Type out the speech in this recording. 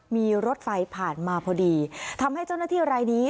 มีรถไฟผ่านมาพอดีทำให้เจ้าหน้าที่รายนี้